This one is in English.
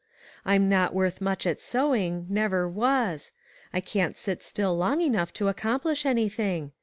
I'm not worth much at sewing; never was; I can't sit still long enough to accomplish anything.